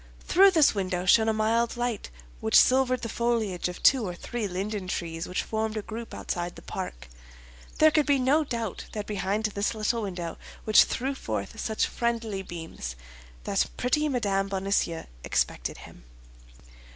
Through this window shone a mild light which silvered the foliage of two or three linden trees which formed a group outside the park. There could be no doubt that behind this little window, which threw forth such friendly beams, the pretty Mme. Bonacieux expected him.